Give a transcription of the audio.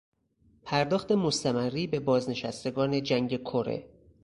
پرداخت مستمری به بازنشستگان جنگ کره